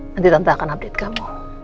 nanti tante akan update kamu